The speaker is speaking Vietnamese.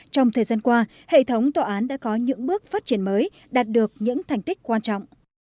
trong thời gian qua hệ thống tòa án đã có những bước phát triển mới đạt được những thành tích quan trọng